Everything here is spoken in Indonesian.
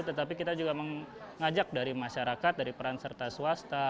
tetapi kita juga mengajak dari masyarakat dari peran serta swasta